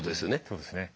そうですね。